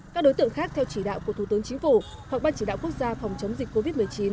các đối tượng khác theo chỉ đạo của thủ tướng chính phủ hoặc ban chỉ đạo quốc gia phòng chống dịch covid một mươi chín